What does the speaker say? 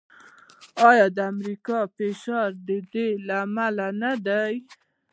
آیا د امریکا فشار د دې لامل نه دی؟